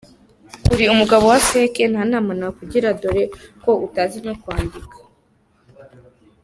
uri umugabo wa fake nta nama nakugira, ndore ko utazi no kwandika.